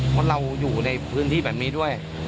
เพราะเราอยู่ในพื้นที่แบบนี้ด้วย